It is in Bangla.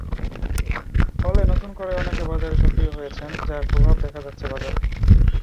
ফলে নতুন করে অনেকে বাজারে সক্রিয় হয়েছেন, যার প্রভাব দেখা যাচ্ছে বাজারে।